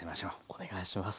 お願いします。